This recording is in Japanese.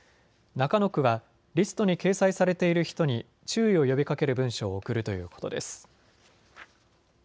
中野区はリストに掲載されている人に注意を呼びかける文書を送るということです。